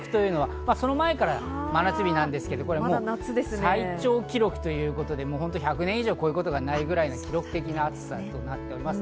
その前から真夏日なんですけど、最長記録ということで、１００年以上こういうことがないくらいの記録的な暑さとなっています。